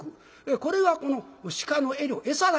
これがこの鹿の餌料餌代。